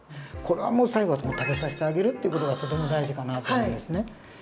これはもう最後は食べさせてあげるっていう事がとても大事かなと思うんですね。